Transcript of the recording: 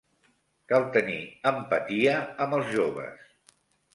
Cal tenir empatia amb els joves.